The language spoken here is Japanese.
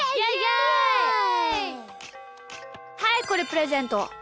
はいこれプレゼント。